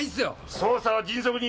捜査は迅速に！